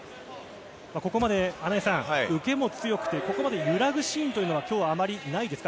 ここまで穴井さん、受けも強くて、ここまで揺らぐシーンというのは、きょうはあまりないですか？